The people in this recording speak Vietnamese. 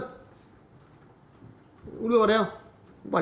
không đưa vào đây không